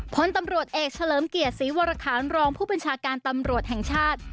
พลตำรวจเอกเฉลิมเกียรติศรีวรคารรองผู้บัญชาการตำรวจแห่งชาติ